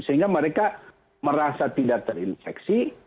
sehingga mereka merasa tidak terinfeksi